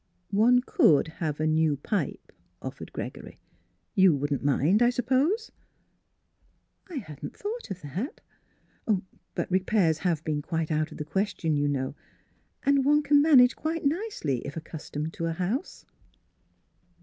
" One could have a new pipe," offered Gregory. " You wouldn't mind, I sup pose.'' " Miss Philura's Wedding Gown " I hadn't thought of that. But re pairs have been quite out of the question, you know. And one can manage quite nicely, if accustomed to a house."